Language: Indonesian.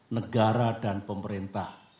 negara dan pemerintah